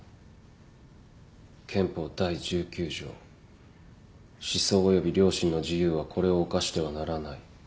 憲法第１９条思想および良心の自由はこれを侵してはならない。